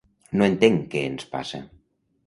No entenc què ens passa.